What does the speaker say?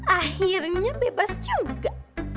akhirnya bebas juga